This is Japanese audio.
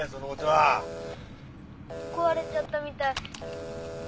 壊れちゃったみたい。